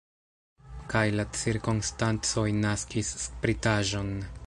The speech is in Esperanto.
Kaj la cirkonstancoj naskis spritaĵon.